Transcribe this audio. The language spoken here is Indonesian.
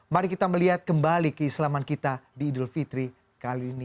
mari kita melihat kembali keislaman kita di idul fitri kali ini